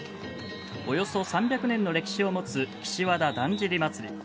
およそ３００年の歴史を持つ岸和田だんじり祭。